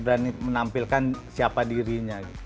berani menampilkan siapa dirinya